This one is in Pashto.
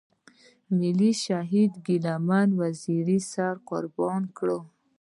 ملي شهيد ګيله من وزير سر قربان کړ.